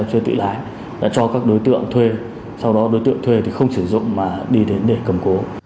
chưa tự lái đã cho các đối tượng thuê sau đó đối tượng thuê thì không sử dụng mà đi đến để cầm cố